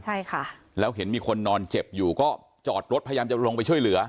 ใช่ค่ะแล้วเห็นมีคนนอนเจ็บอยู่ก็จอดรถพยายามจะลงไปช่วยเหลือ